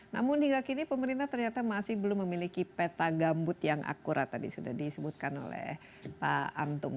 namun hingga kini pemerintah ternyata masih belum memiliki peta gambut yang akurat tadi sudah disebutkan oleh pak antung